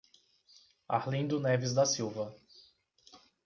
Arlindo Neves da Silva